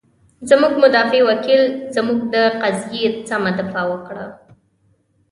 زمونږ مدافع وکیل، زمونږ د قضیې سمه دفاع وکړه.